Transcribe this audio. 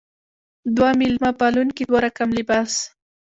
دوه میلمه پالونکې دوه رقم لباس.